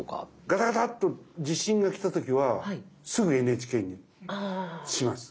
ガタガタっと地震が来た時はすぐＮＨＫにします。